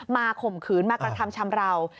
ข่มขืนมากระทำชำราว